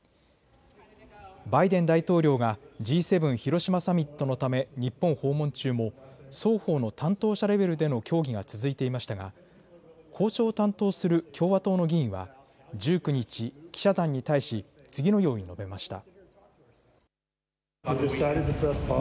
バイデン大統領がＧ７広島サミットのため日本訪問中も双方の担当者レベルでの協議が続いていましたが交渉を担当する共和党の議員は１９日、記者団に対し次のように述べました。